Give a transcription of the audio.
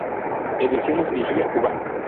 Ediciones Vigía, Cuba.